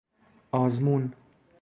آزمون